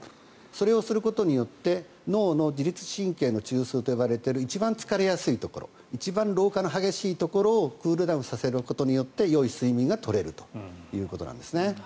それをすることによって脳の自律神経中枢といわれている一番疲れやすいところ一番老化の激しいところをクールダウンさせることでよい睡眠が取れるということなんですね。